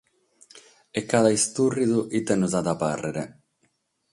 E cada istùrridu ite nos at a pàrrere?